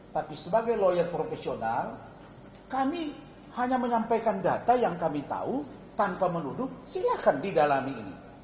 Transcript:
tapi sebagai lawyer profesional kami hanya menyampaikan data yang kami tahu tanpa menuduh silahkan didalami ini